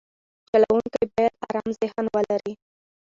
چلوونکی باید ارام ذهن ولري.